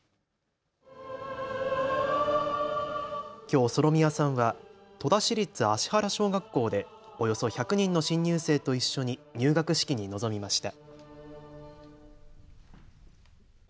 きょう、ソロミヤさんは戸田市立芦原小学校でおよそ１００人の新入生と一緒に入学式に臨みました。